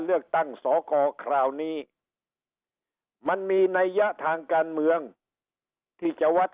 เลือกตั้งสอกรคราวนี้มันมีนัยยะทางการเมืองที่จะวัด